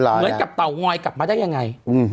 เหมือนกับเต่างอยกลับมาได้ยังไง